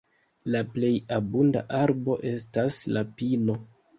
La plej abunda arbo estas la pino.